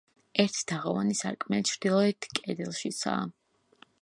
ერთი, თაღოვანი სარკმელი ჩრდილოეთ კედელშიცაა.